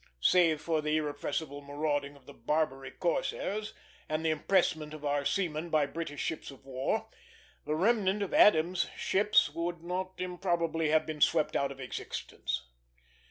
Save for the irrepressible marauding of the Barbary corsairs, and the impressment of our seamen by British ships of war, the remnant of Adams' ships would not improbably have been swept out of existence.